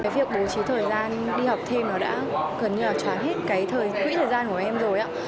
việc bố trí thời gian đi học thêm nó đã gần như là xóa hết cái thời quỹ thời gian của em rồi ạ